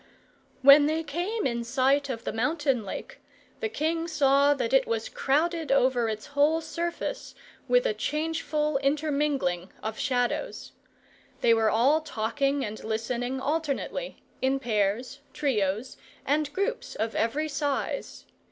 When they came in sight of the mountain lake, the king saw that it was crowded over its whole surface with a changeful intermingling of Shadows. They were all talking and listening alternately, in pairs, trios, and groups of every size.